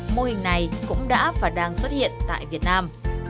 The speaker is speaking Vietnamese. mô hình này cũng đã và đang xuất hiện tại việt nam